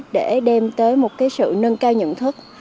để đem tới một sự nâng cao nhận thức